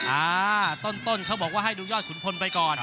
อ่าต้นเขาบอกว่าให้ดูยอดขุนพลไปก่อน